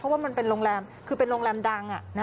ว่ามันเป็นโรงแรมคือเป็นโรงแรมดัง